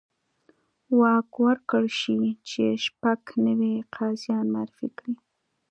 واک ورکړل شي چې شپږ نوي قاضیان معرفي کړي.